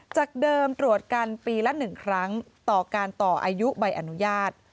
จากเดิมตรวจกันปีละ๑ครั้งต่อการต่ออายุใบอนุญาต